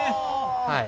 はい。